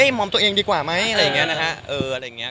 เอ๊ะมอมตัวเองดีกว่าไหมอะไรอย่างเงี้ยนะฮะ